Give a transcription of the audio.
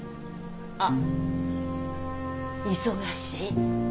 あっ忙しい？